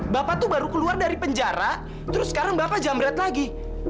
bapak tuh baru keluar dari penjara terus sekarang bapak jamret lagi